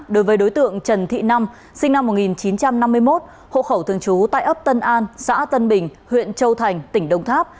đối với đối tượng trần thị năm sinh năm một nghìn chín trăm năm mươi một hộ khẩu thường trú tại ấp tân an xã tân bình huyện châu thành tỉnh đồng tháp